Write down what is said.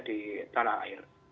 di tanah air